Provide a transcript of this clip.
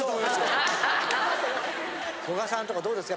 古閑さんとかどうですか？